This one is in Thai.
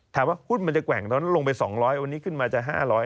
ถามว่าหุ้นมันจะแกว่งลงไป๒๐๐บาทวันนี้ขึ้นมาจะ๕๐๐บาท